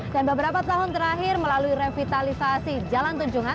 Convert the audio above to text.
dan beberapa tahun terakhir melalui revitalisasi jalan tunjungan